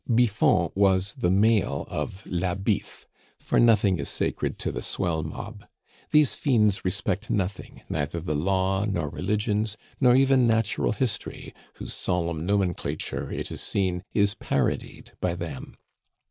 Biffon was the male of la Biffe for nothing is sacred to the swell mob. These fiends respect nothing, neither the law nor religions, not even natural history, whose solemn nomenclature, it is seen, is parodied by them.